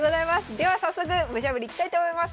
では早速ムチャぶりいきたいと思います。